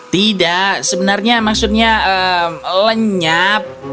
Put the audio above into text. tidak sebenarnya maksudnya lenyap